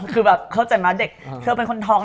คือแบบเข้าใจไหมเด็กเธอเป็นคนท้อง